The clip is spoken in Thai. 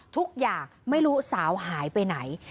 ทุกอย่างไม่รู้สาวหายไปไหน